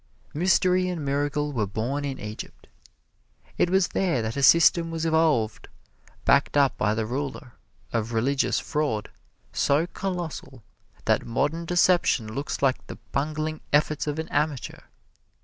Mystery and miracle were born in Egypt. It was there that a system was evolved, backed up by the ruler, of religious fraud so colossal that modern deception looks like the bungling efforts of an amateur.